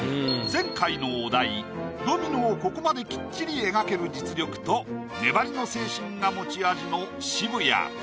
前回のお題ドミノをここまできっちり描ける実力と粘りの精神が持ち味の渋谷。